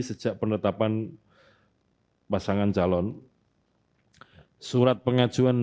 sejak penetapan pasangan calon